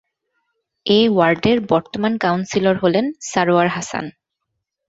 এ ওয়ার্ডের বর্তমান কাউন্সিলর হলেন সারোয়ার হাসান।